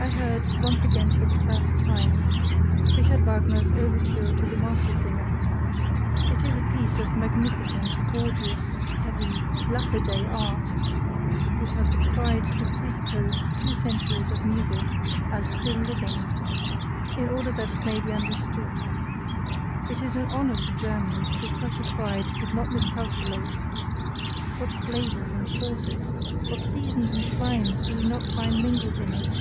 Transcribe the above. I HEARD, once again for the first time, Richard Wagner's overture to the Mastersinger: it is a piece of magnificent, gorgeous, heavy, latter day art, which has the pride to presuppose two centuries of music as still living, in order that it may be understood: it is an honour to Germans that such a pride did not miscalculate! What flavours and forces, what seasons and climes do we not find mingled in it!